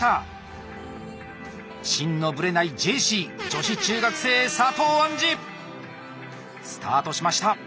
「芯のぶれないＪＣ女子中学生」佐藤杏莉。スタートしました。